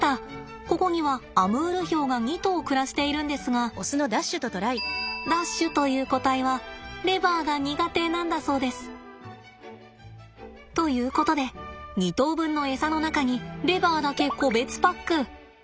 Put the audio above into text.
ここにはアムールヒョウが２頭暮らしているんですがダッシュという個体はレバーが苦手なんだそうです。ということで２頭分のエサの中にレバーだけ個別パック。